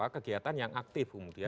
kegiatan yang aktif kemudian